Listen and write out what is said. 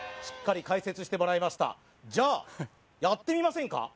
しっかり解説してもらいましたじゃやってみませんか？